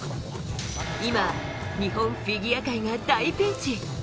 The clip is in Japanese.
今、日本フィギュア界が大ピンチ。